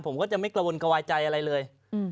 ผมก็จะไม่กระวนกระวายใจอะไรเลย